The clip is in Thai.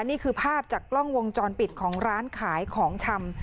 นี่คือภาพจากกล้องวงจรปิดของร้านขายของชำ